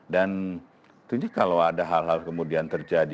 dan itu kalau ada hal hal kemudian terjadi